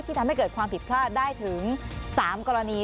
ทำให้เกิดความผิดพลาดได้ถึง๓กรณี